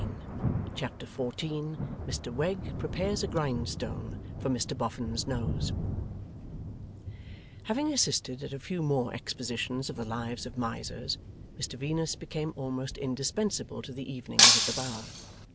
Chapter 14 MR WEGG PREPARES A GRINDSTONE FOR MR BOFFIN'S NOSE Having assisted at a few more expositions of the lives of Misers, Mr Venus became almost indispensable to the evenings at the Bower.